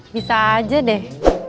bisa aja deh